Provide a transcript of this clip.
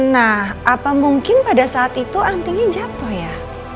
nah apa mungkin pada saat itu antinya jatuh ya